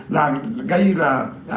là gây là